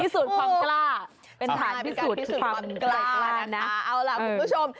พิสูจน์ความกล้าเป็นฐานในการพิสูจน์ความกล้านะคะเอาล่ะคุณผู้ชม